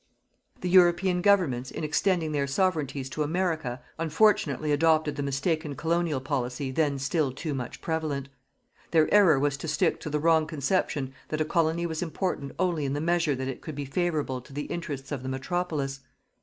The European Governments in extending their Sovereignties to America unfortunately adopted the mistaken Colonial Policy then still too much prevalent. Their error was to stick to the wrong conception that a colony was important only in the measure that it could be favourable to the interests of the Metropolis.